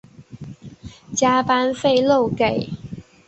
加班费漏给